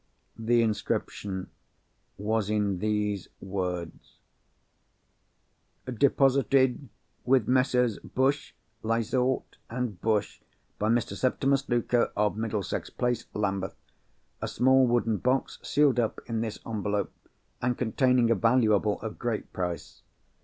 The inscription was in these words: "Deposited with Messrs. Bushe, Lysaught, and Bushe, by Mr. Septimus Luker, of Middlesex Place, Lambeth, a small wooden box, sealed up in this envelope, and containing a valuable of great price.